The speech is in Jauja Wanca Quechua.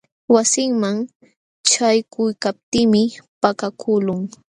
Wasinman ćhaykuykaptiimi pakakuqlun.